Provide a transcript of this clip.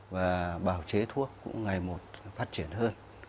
và bào chế thuốc cũng ngày một phát triển hơn